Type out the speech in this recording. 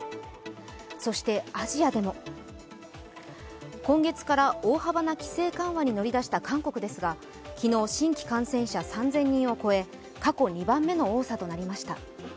そして、アジアでも今月から大幅な規制緩和に乗り出した韓国ですが昨日新規感染者３０００人を超え過去２番目の多さとなりました。